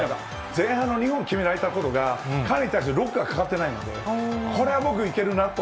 前半の２本決められたことが、彼に対して、ロックがかかってないので、これは僕いけるなと。